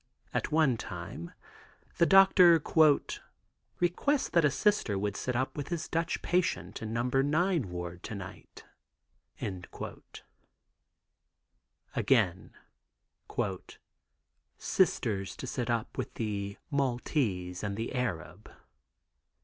At one time the doctor "requests that a Sister would sit up with his Dutch patient in No. 9 ward to night." Again, "Sisters to sit up with the Maltese and the Arab."